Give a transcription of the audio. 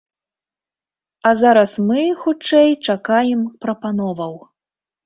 А зараз мы, хутчэй, чакаем прапановаў.